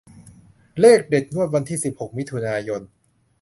เลขเด็ดงวดวันที่สิบหกมิถุนายน